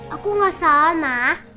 aku enggak salah ma